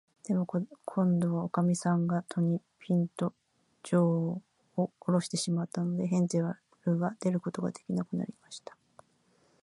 でも、こんどは、おかみさんが戸に、ぴんと、じょうをおろしてしまったので、ヘンゼルは出ることができなくなりました。